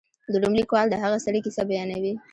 د روم لیکوال د هغه سړي کیسه بیانوي.